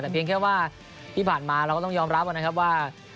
แต่เพียงแค่ว่าที่ผ่านมาเราก็ต้องยอมรับนะครับว่า